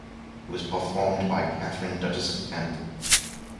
It was performed by Katharine, Duchess of Kent.